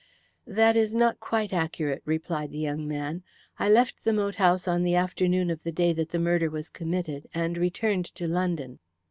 "That is not quite accurate," replied the young man. "I left the moat house on the afternoon of the day that the murder was committed, and returned to London.